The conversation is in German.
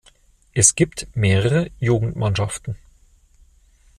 Es gibt mehrere Jugendmannschaften.